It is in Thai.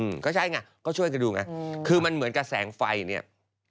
อืมก็ใช่ไงก็ช่วยกันดูไงอืมคือมันเหมือนกับแสงไฟเนี้ย